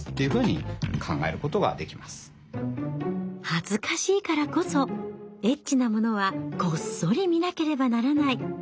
恥ずかしいからこそエッチなものはこっそり見なければならない。